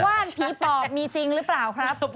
ว่าร้านภีเตอร์ปหมีจริงหรือเปล่าครับ